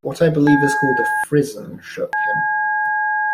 What I believe is called a frisson shook him.